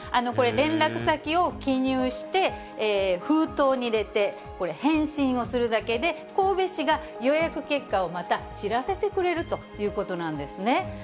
これ、連絡先を記入して、封筒に入れて、これ、返信をするだけで、神戸市が、予約結果をまた知らせてくれるということなんですね。